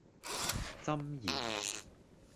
箴言